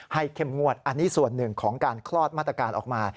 เข้มงวดอันนี้ส่วนหนึ่งของการคลอดมาตรการออกมา